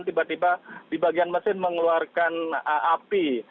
tiba tiba di bagian mesin mengeluarkan api